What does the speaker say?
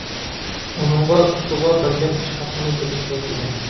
ئۇنىڭغا ئۇستىغا بەرگەن ئىش ھەققىنى بېرىشى كېرەك ئىدى.